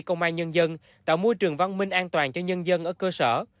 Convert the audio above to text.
công an nhân dân tạo môi trường văn minh an toàn cho nhân dân ở cơ sở